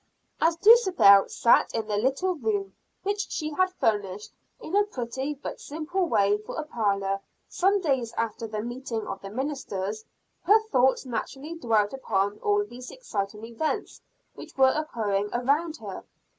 As Dulcibel sat in the little room which she had furnished in a pretty but simple way for a parlor, some days after the meeting of the ministers, her thoughts naturally dwelt upon all these exciting events which were occurring around her.